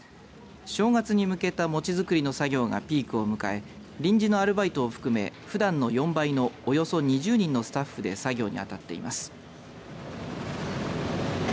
正月に向けた餅づくりの作業がピークを迎え臨時のアルバイトを含めふだんの４倍のおよそ２０人のスタッフで作業に当たっています。